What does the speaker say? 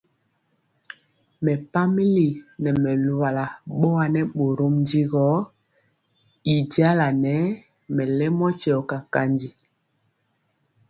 Mɛpamili nɛ mɛ luwala bɔa nɛ bórɔm ndi gɔ y jala nɛ mɛlɛmɔ tiɔ kakanji.